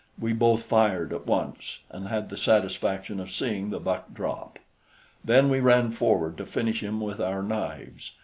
We both fired at once and had the satisfaction of seeing the buck drop; then we ran forward to finish him with our knives.